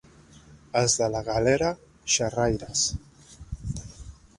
Els de la Galera, xerraires.